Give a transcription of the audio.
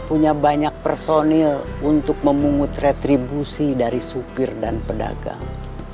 punya banyak personil untuk memungut retribusi dari supir dan pedagang